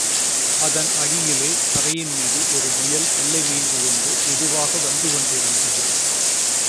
அதன் அடியிலே தரையின் மீது ஒரு முயல் புல்லை மேய்ந்துகொண்டு மெதுவாக வந்துகொண்டிருந்தது.